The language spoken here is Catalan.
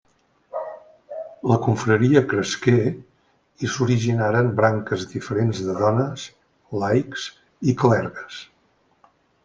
La confraria cresqué i s'originaren branques diferents de dones, laics i clergues.